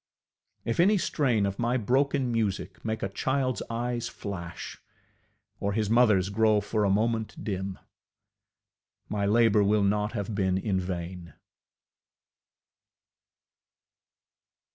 If any strain of my ŌĆ£broken musicŌĆØ make a childŌĆÖs eyes flash, or his motherŌĆÖs grow for a moment dim, my labour will not have been in vain.